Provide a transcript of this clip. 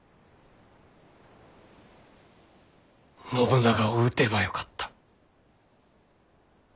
信長を討てばよかった。